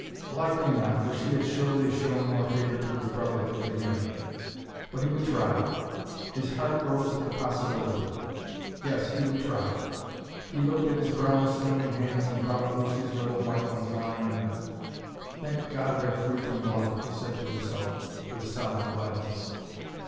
Likely not, for she had surely shown more favor to his brother than to him. But he would try. His heart rose at the possibility. Yes, he would try. He looked at his brown, sinewy hands and thought of Lucy's little white ones lying in them. "Thank God, they're free from blood!" he said to himself with solemn gladness.